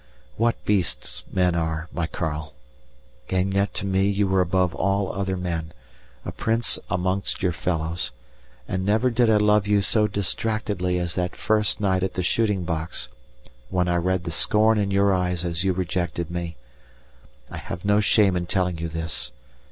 What beasts men are, my Karl! And yet to me you are above all other men, a prince amongst your fellows, and never did I love you so distractedly as that first night at the shooting box, when I read the scorn in your eyes as you rejected me. I have no shame in telling you this.